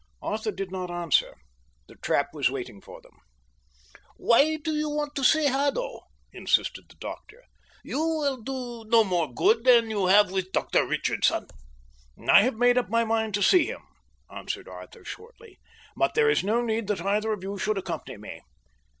Arthur did not answer. The trap was waiting for them. "Why do you want to see Haddo?" insisted the doctor. "You will do no more good than you have with Dr Richardson." "I have made up my mind to see him," answered Arthur shortly. "But there is no need that either of you should accompany me."